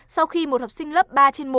sau khi một học sinh lớp ba trên một